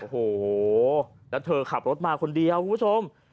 โอ้โหแล้วเธอขับรถมาคนเดียวคุณผู้ชม